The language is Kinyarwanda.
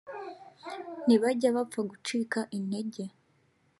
ntibajya bapfa gucika intege